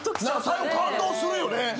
最後感動するよね。